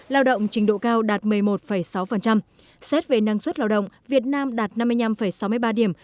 lao động trình độ cao đạt một mươi một sáu xét về năng suất lao động việt nam đạt năm mươi năm sáu mươi ba điểm